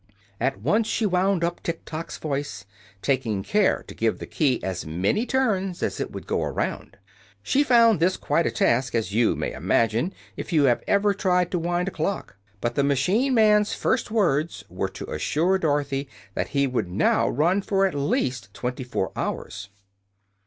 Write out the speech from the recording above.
At once she wound up Tiktok's voice, taking care to give the key as many turns as it would go around. She found this quite a task, as you may imagine if you have ever tried to wind a clock, but the machine man's first words were to assure Dorothy that he would now run for at least twenty four hours.